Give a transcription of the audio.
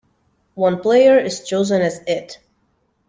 One player is chosen as "It".